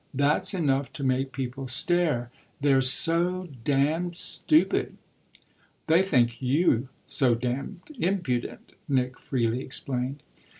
That's enough to make people stare: they're so damned stupid!" "They think you so damned impudent," Nick freely explained.